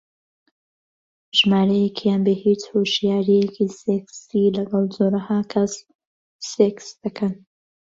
ژمارەیەکیان بێ هیچ هۆشیارییەکی سێکسی لەگەڵ جۆرەها کەس سێکس دەکەن